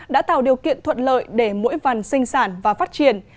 đã tạo điều kiện thuận lợi để mũi vằn sinh sản và phát triển